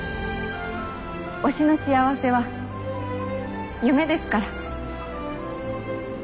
推しの幸せは夢ですから。